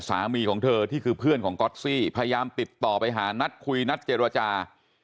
สามีของเธอที่คือเพื่อนของก๊อตซี่พยายามติดต่อไปหานัดคุยนัดเจรจา